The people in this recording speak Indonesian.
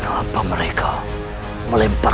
aku akan menang